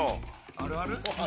あるある？